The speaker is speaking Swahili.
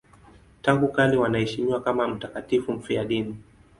Tangu kale wanaheshimiwa kama mtakatifu mfiadini.